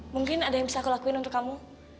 mungkin ada yang bisa aku lakuin untuk kamu